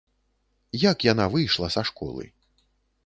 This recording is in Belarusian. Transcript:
Як яна выйшла са школы?